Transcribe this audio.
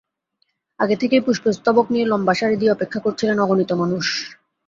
আগে থেকেই পুষ্পস্তবক নিয়ে লম্বা সারি দিয়ে অপেক্ষা করছিলেন অগণিত মানুষ।